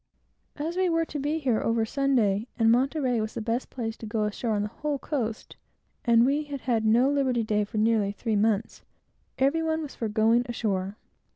As we were to be here over Sunday, and Monterey was the best place to go ashore on the whole coast, and we had had no liberty day for nearly three months, every one was for going ashore.